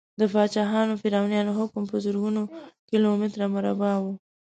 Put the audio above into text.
د پاچاهي فرعونیانو حکم په زرګونو کیلو متره مربع و.